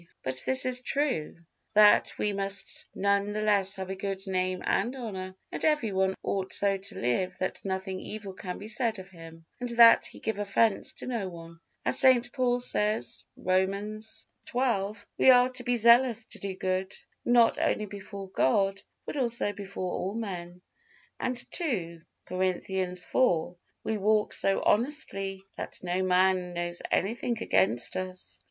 But this is true, that we must none the less have a good name and honor, and every one ought so to live that nothing evil can be said of him, and that he give offence to no one, as St. Paul says, Romans xii: "We are to be zealous to do good, not only before God, but also before all men." And II. Corinthians iv: "We walk so honestly that no man knows anything against us."